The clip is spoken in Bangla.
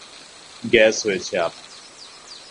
গ্যাস হয়েছে আমার।